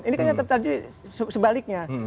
ini kan yang terjadi sebaliknya